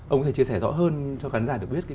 ông có thể chia sẻ rõ hơn cho khán giả được biết